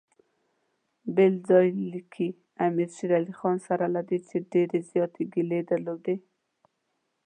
بل ځای لیکي امیر شېر علي سره له دې چې ډېرې زیاتې ګیلې درلودې.